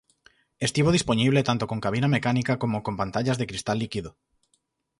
Estivo dispoñible tanto con cabina mecánica como con pantallas de cristal líquido.